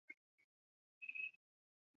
埃斯珀泽人口变化图示